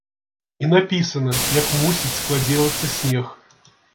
І напісана, як мусіць складзіравацца снег.